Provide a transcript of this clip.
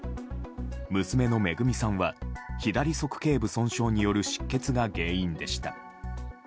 娘の恵さんは左側頸部損傷による失血が原因でした。